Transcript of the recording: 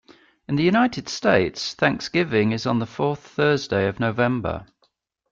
In the United States, Thanksgiving is on the fourth Thursday of November.